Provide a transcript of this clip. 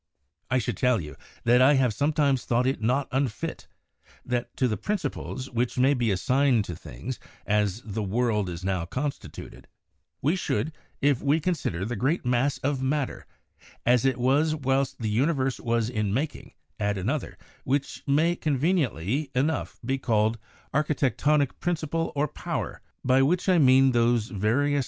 ... I should tell you, that I have some times thought it not unfit, that to the principles, which may be assigned to things, as the world is now constituted, we should, if we consider the great mass of matter, as it was whilst the universe was in making, add another, which may conveniently enough be called an Architecton ick principle or power ; by which I mean those various!